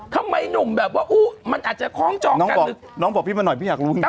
ทำไมหนุ่มแบบว่ามันอาจจะคล้องเจาะกัน